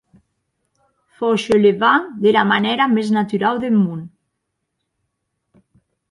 Fauchelevent dera manèra mès naturau deth mon.